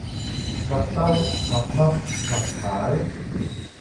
麥兜，麥嘜，麥太